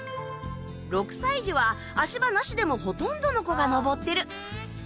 ６歳児は足場なしでもほとんどの子が登ってる。